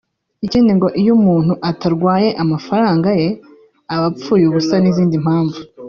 ikindi ngo iyo umuntu atarwaye amafaranga ye aba apfuye ubusa n’izindi mpamvu